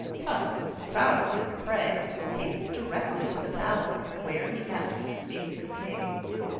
Puss, proud of his prey, hastened directly to the palace, where he asked to speak to the king.